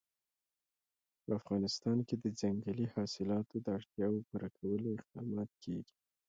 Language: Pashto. په افغانستان کې د ځنګلي حاصلاتو د اړتیاوو پوره کولو اقدامات کېږي.